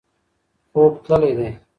خوب تللی دی.